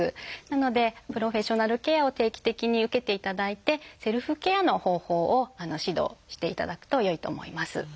なのでプロフェッショナルケアを定期的に受けていただいてセルフケアの方法を指導していただくとよいと思います。